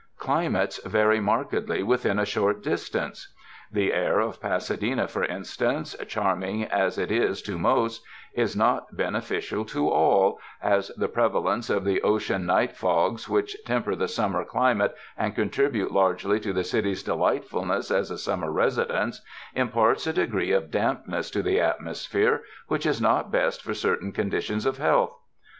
Climates vary markedly within a short distance. The air of Pasadena, for instance, charm ing as it is to most, is not beneficial to all, as the 277 UNDER THE SKY IN CALIFORNIA prevalence of the ocean night fogs which temper the summer climate and contribute largely to the city's delightfulness as a summer residence, im parts a degree of dampness to the atmosphere which is not best for certain conditions of health.